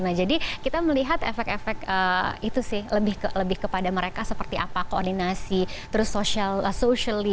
nah jadi kita melihat efek efek itu sih lebih kepada mereka seperti apa koordinasi terus socially